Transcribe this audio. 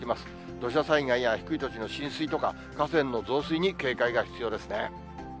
土砂災害や低い土地の浸水とか、河川の増水に警戒が必要ですね。